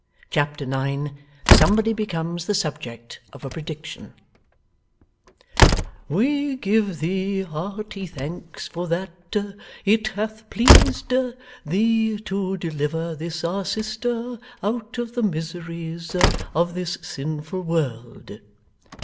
Chapter 9 SOMEBODY BECOMES THE SUBJECT OF A PREDICTION '"We give thee hearty thanks for that it hath pleased thee to deliver this our sister out of the miseries of this sinful world."